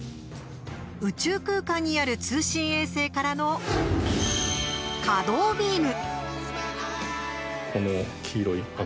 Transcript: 宇宙空間にある通信衛星からの可動ビーム。